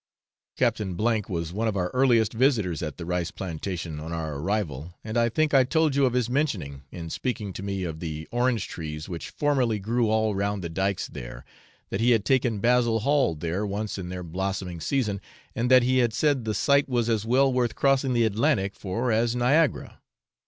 Captain F was one of our earliest visitors at the rice plantation on our arrival, and I think I told you of his mentioning, in speaking to me of the orange trees which formerly grew all round the dykes there, that he had taken Basil Hall there once in their blossoming season, and that he had said the sight was as well worth crossing the Atlantic for as Niagara.